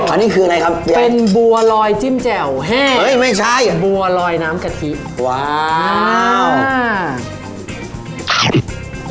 อันนี้คืออะไรครับเป็นบัวลอยจิ้มแจ่วแห้งเอ้ยไม่ใช่บัวลอยน้ำกะทิว้าวอ่า